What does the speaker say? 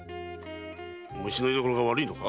虫の居どころが悪いのか？